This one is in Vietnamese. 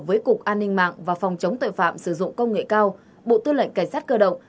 với cục an ninh mạng và phòng chống tội phạm sử dụng công nghệ cao bộ tư lệnh cảnh sát cơ động